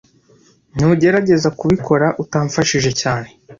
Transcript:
Ntugerageze kubikora utamfashije cyane